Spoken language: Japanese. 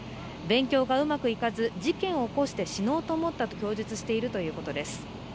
勉強がうまくいかず、事件を起こして死のうと思ったと供述しているということです。